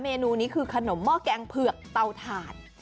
เมนูนี้คือขนมเมอร์แกงเผลือกเตาถาด